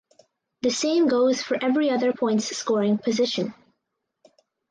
The same goes for every other points scoring position.